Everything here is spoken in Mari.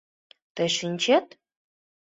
Тый шинчет?..